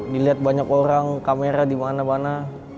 dilihat banyak orang kamera di mana mana